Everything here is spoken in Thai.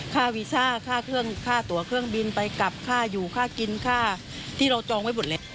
ค่าวีซ่าค่าเครื่องค่าตัวเครื่องบินไปกลับค่าอยู่ค่ากินค่าที่เราจองไว้หมดเลย